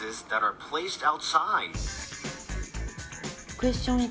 クエスチョン１。